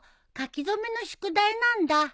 書き初めの宿題なんだ。